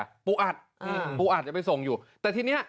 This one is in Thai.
่่่อ่าปูหัตย์ปูอัตย์จะไปส่งอยู่แต่ที่เนี้ย